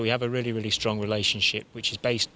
เพราะฉะนั้นเรามีความสงบเก่าที่เก่งกับความรู้สึก